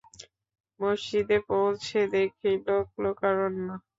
মসজিদে পৌঁছে দেখি, লোকে-লোকারণ্য।